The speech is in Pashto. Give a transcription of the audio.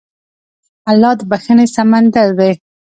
الله د بښنې سمندر دی.